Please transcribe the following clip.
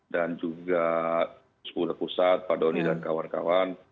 dan juga sepuluh pusat pak doni dan kawan kawan